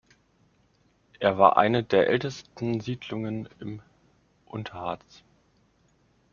Er war eine der ältesten Siedlungen im Unterharz.